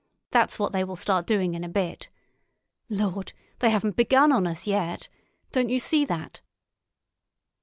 That's what they will start doing in a bit. Lord! They haven't begun on us yet. Don't you see that?"